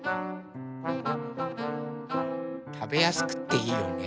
たべやすくていいよね。